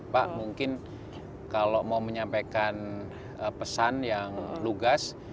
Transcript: pak mungkin kalau mau menyampaikan pesan yang lugas